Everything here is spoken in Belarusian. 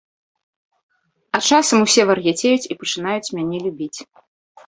А часам усе вар'яцеюць і пачынаюць мяне любіць.